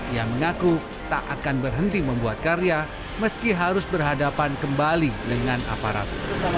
ia mengaku tak akan berhenti membuat karya meski harus berhadapan kembali dengan aparat